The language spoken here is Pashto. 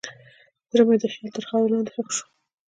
زړه مې د خیال تر خاورو لاندې ښخ شو.